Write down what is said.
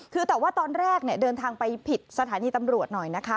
คือแต่ว่าตอนแรกเนี่ยเดินทางไปผิดสถานีตำรวจหน่อยนะคะ